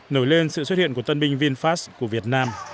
nổi lên sự xuất hiện của tân binh vinfast của việt nam